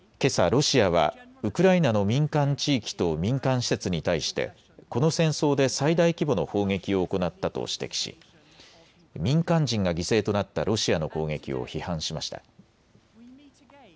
ロシアはウクライナの民間地域と民間施設に対してこの戦争で最大規模の砲撃を行ったと指摘し民間人が犠牲となったロシアの攻撃を批判しました。